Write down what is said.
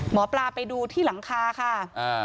หมอปลาไปดูที่หลังคาค่ะ